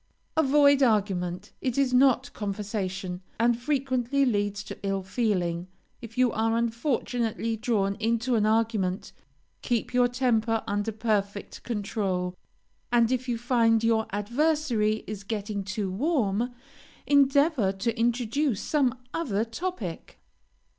Avoid argument; it is not conversation, and frequently leads to ill feeling. If you are unfortunately drawn into an argument, keep your temper under perfect control, and if you find your adversary is getting too warm, endeavor to introduce some other topic.